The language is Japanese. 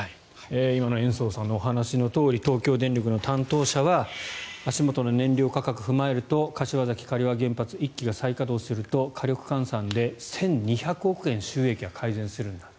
今の延増さんのお話のとおり東京電力の担当者は足元の燃料価格を踏まえると柏崎刈羽原発１基が再稼働すると火力換算で１２００億円収益が改善するんだ